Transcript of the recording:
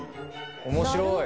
面白い。